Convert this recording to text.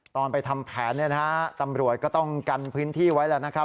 ตอนไปทำแผนตำรวจก็ต้องกันพื้นที่ไว้แล้วนะครับ